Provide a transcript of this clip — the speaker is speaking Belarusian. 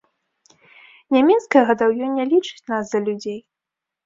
Нямецкае гадаўё не лічыць нас за людзей.